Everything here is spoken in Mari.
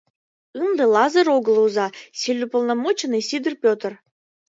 Ынде Лазыр огыл оза, сельуполномоченный Сидыр Петр.